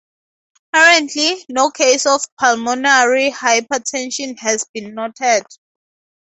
Currently, no case of pulmonary hypertension has been noted.